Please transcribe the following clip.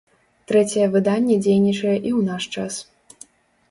Трэцяе выданне дзейнічае і ў наш час.